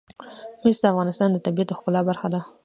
مس د افغانستان د طبیعت د ښکلا برخه ده.